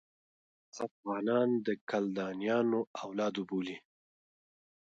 افغانان د کلدانیانو اولاد وبولي.